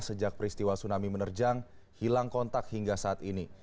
sejak peristiwa tsunami menerjang hilang kontak hingga saat ini